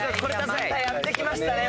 またやって来ましたね